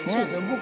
僕。